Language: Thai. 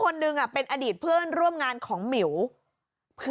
เรือนยันเลยมิ๋วอะโกหก